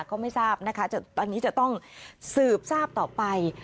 ก็ไม่ทราบนะคะตอนนี้จะต้องสืบทราบต่อไป